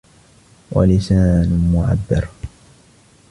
وَلِسَانٌ مُعَبِّرٌ